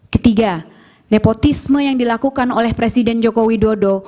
ketiga nepotisme yang dilakukan oleh presiden joko widodo